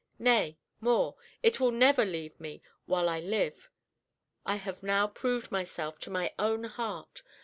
Nay, more, it will never leave me while I live. I have now proved myself to my own heart!